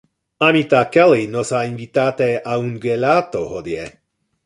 Amita Kelly nos ha invitate a un gelato hodie.